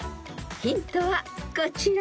［ヒントはこちら］